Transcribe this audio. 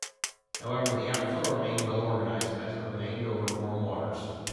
However, the outflow remained well-organized as it remained over warm waters.